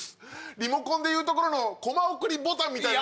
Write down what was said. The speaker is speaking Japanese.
リモコンでいうところのコマ送りボタンみたいな。